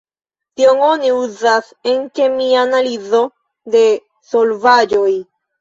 Tion oni uzas en kemia analizo de solvaĵoj.